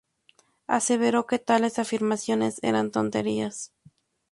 Aseveró que tales afirmaciones eran tonterías.